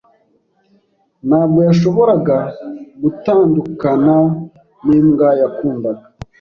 Ntabwo yashoboraga gutandukana nimbwa yakundaga.